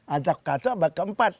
asoka itu abad ke empat